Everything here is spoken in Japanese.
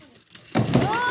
わあ！